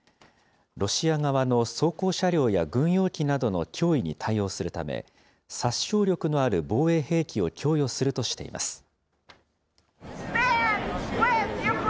ロシア側の装甲車両や軍用機などの脅威に対応するため、殺傷力のある防衛兵器を供与するとしています。